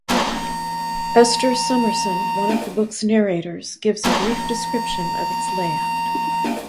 Esther Summerson, one of the book's narrators, gives a brief description of its layout.